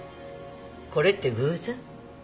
これって偶然？